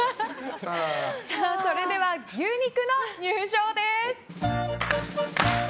それでは牛肉の入場です。